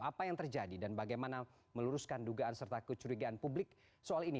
apa yang terjadi dan bagaimana meluruskan dugaan serta kecurigaan publik soal ini